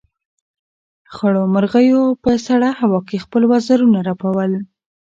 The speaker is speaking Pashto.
خړو مرغیو په سړه هوا کې خپل وزرونه رپول.